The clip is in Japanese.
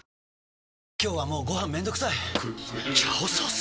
今日はもうご飯めんどくさい「炒ソース」！？